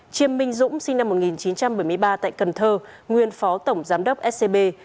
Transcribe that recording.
chiêm minh dũng sinh năm một nghìn chín trăm bảy mươi ba tại cần thơ nguyên phó tổng giám đốc scb